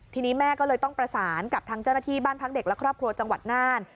ทีนี้แม่ก็เลยต้องประสานกับทางเจ้าหน้าที่บ้านพักเด็กและครอบครัวจังหวัดน่าน